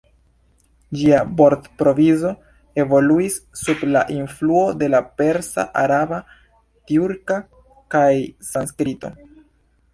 Ĝia vortprovizo evoluis sub la influo de la persa, araba, tjurka kaj sanskrito.